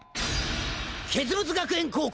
傑物学園高校